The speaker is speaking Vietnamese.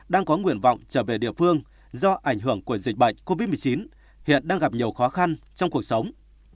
đang có nguyện vọng trở về địa phương do ảnh hưởng của dịch bệnh covid một mươi chín hiện đang gặp nhiều khó khăn trong cuộc sống